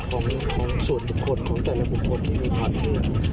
ของส่วนบุคคลของแต่ละบุคคลที่มีความเชื่อ